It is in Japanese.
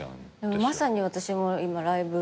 まさに私も今ライブ。